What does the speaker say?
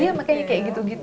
iya makanya kayak gitu gitu